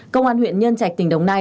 công an huyện nhân trạch tỉnh đồng nai